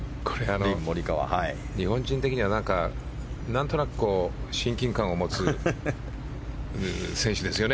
日本人的にはなんとなく親近感を持つ選手ですよね